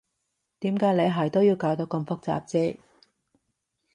點解你係都要搞到咁複雜啫？